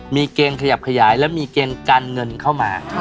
มีเกณฑ์ขยับขยายและมีเกณฑ์การเงินเข้ามา